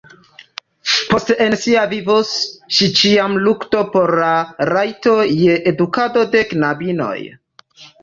Poste en sia vivo ŝi ĉiam lukto por la rajto je edukado de knabinoj.